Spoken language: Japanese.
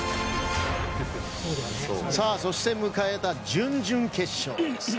そして迎えた準々決勝です。